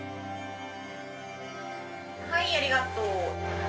はいありがとう。